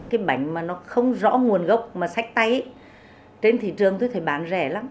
cái bánh mà nó không rõ nguồn gốc mà sách tay trên thị trường thì có thể bán rẻ lắm